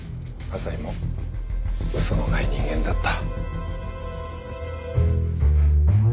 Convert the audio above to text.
朝陽もウソのない人間だった。